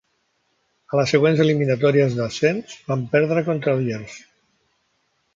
A les següents eliminatòries d'ascens van perdre contra Lierse.